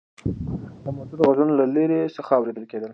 د موټرو غږونه له لرې څخه اورېدل کېدل.